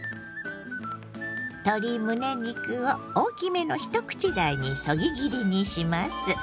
鶏むね肉を大きめの一口大にそぎ切りにします。